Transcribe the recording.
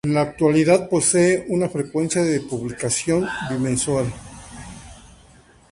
En la actualidad posee una frecuencia de publicación bimensual.